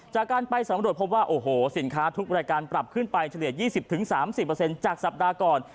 จากการไปสำรวจพบว่าโอ้โหสินค้าทุกรายการปรับขึ้นไปเฉลี่ย๒๐๓๐จากสัปดาห์ก่อน